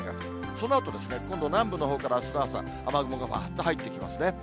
そのあと、今度、南部のほうからあすの朝、雨雲がわーっと入ってきますね。